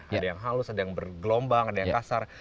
ada yang halus ada yang bergelombang ada yang kasar